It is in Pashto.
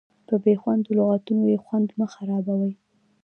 په بې خوندو لغتونو یې خوند مه خرابوئ.